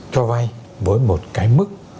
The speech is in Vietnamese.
cho vay với một cái mức